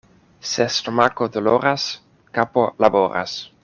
Se stomako doloras, kapo laboras.